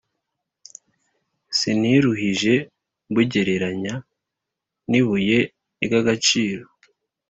Siniruhije mbugereranya n’ibuye ry’agaciro,